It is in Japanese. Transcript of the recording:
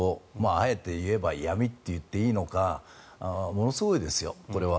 あえていえば闇と言っていいのかものすごいですよ、これは。